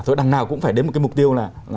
chỗ đằng nào cũng phải đến một cái mục tiêu là